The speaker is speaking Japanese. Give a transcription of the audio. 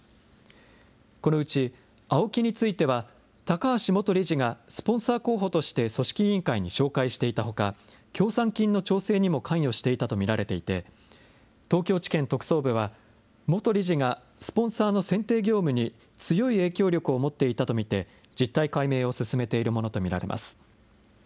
このうちＡＯＫＩについては、高橋元理事がスポンサー候補として組織委員会に紹介していたほか、協賛金の調整にも関与していたと見られていて、東京地検特捜部は、元理事がスポンサーの選定業務に、強い影響力を持っていたと見て、実態解明を進めているものと見られます。